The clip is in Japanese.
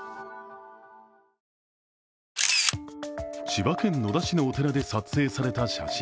千葉県野田市のお寺で撮影された写真。